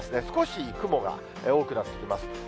少し雲が多くなってきます。